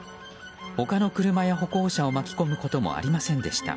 他の車や歩行者を巻き込むこともありませんでした。